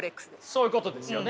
そういうことですよね。